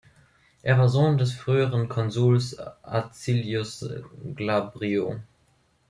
Er war Sohn des früheren Konsuls Acilius Glabrio.